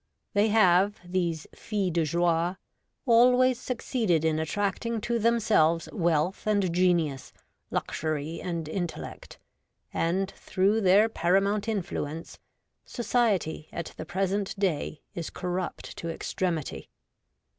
They have, these filles de joie, always succeeded in attracting to themselves wealth and genius, luxury and intellect ; and through their para mount influence, Society at the present day is corrupt to extremity.